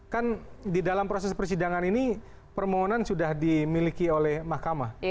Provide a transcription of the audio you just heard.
kan di dalam proses persidangan ini permohonan sudah dimiliki oleh mahkamah